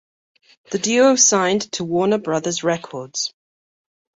The duo signed to Warner Brothers Records.